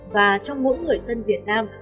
và trong mỗi người dân việt nam